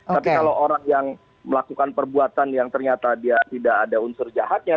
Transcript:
tapi kalau orang yang melakukan perbuatan yang ternyata dia tidak ada unsur jahatnya